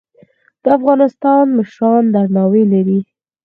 د افغانستان مشران درناوی لري